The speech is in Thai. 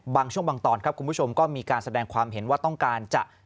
บางช่วงบางตอนครับคุณผู้ชมก็มีการแสดงความเห็นว่าต้องการจะ